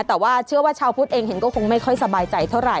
แต่ว่าเชื่อว่าชาวพุทธเองเห็นก็คงไม่ค่อยสบายใจเท่าไห